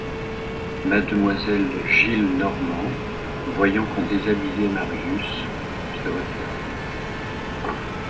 Mademoiselle Gillenormand, voyant qu’on déshabillait Marius, se retira.